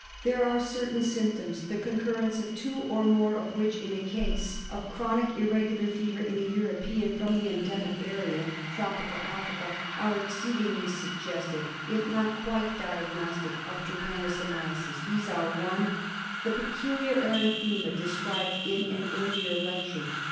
There are certain symptoms, the concurrence of two or more of which in a case of chronic irregular fever in a European from the endemic area — tropical Africa — are exceedingly suggestive, if not quite diagnostic of trypano somiasis. These are :— I. The peculiar erythema described in an earlier lecture.